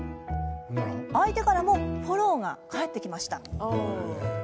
相手からもフォローが返ってきました。